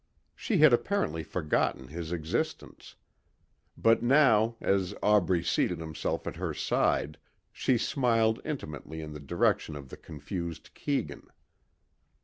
She had apparently forgotten his existence. But now as Aubrey seated himself at her side, she smiled intimately in the direction of the confused Keegan.